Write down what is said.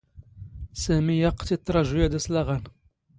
ⵙⴰⵎⵉ ⴰⵇⵇ ⵜ ⵉⵜⵜⵕⴰⵊⵓ ⴰⴷ ⴰⵙ ⵍⴰⵖⴰⵏ.